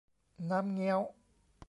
น้ำเงี้ยว